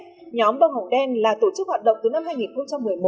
nhóm bông hồng đen là tổ chức hoạt động từ năm hai nghìn một mươi một